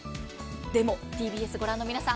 でもＴＢＳご覧の皆さん